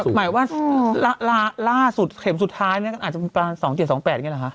หมายว่าล่าสุดเข็มสุดท้ายเนี่ยก็อาจจะประมาณ๒๗๒๘อย่างนี้หรอคะ